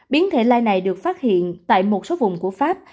biến thể lai này được phát hiện tại một số vùng của pháp